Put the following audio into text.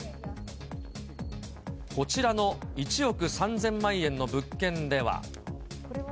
こちらの１億３０００万円の物件では。